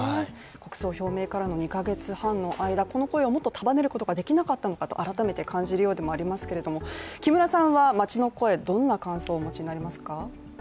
国葬表明からの２か月半の間、この声をもっと束ねることができなかったのか改めて感じるようでもありますけれども木村さんは街の声、どんな感想をお持ちになりますか？